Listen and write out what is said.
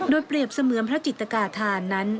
โดยเปรียบเสมือนพระจิตกาธานนั้น